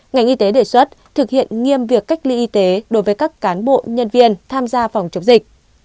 ngành y tế đề xuất thực hiện nghiêm việc cách ly y tế đối với các cán bộ nhân viên tham gia phòng chống dịch